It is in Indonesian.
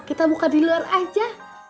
kita buka di luar aja